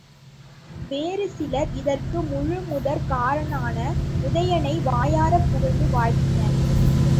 வேறு சிலர், இதற்கு முழுமுதற் காரணனான உதயணனை வாயாறப் புகழ்ந்து வாழ்த்தினர்.